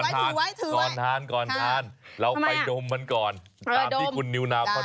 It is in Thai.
แต่นี่ฉันอยากให้คุณดมไง